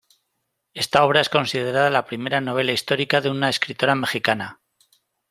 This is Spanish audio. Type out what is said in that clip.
Esta obra es considerada la primera novela histórica de una escritora mexicana.